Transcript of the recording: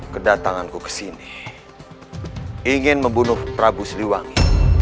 kedatanganku ke sini ingin membunuh prabu siliwangi